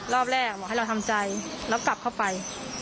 รอบแรกบอกให้เราทำใจแล้วกลับเข้าไป